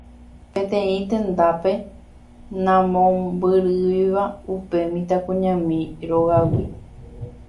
peteĩ tendápe namombyrýiva upe mitãkuñami rógagui.